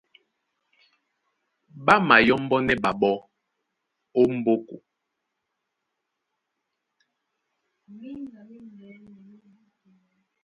Ɓá mayɔ́mbɔ́nɛ́ ɓaɓɔ́ ó m̀ɓóko.